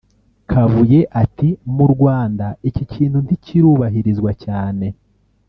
Kabuye ati “Mu Rwanda iki kintu ntikirubahirizwa cyane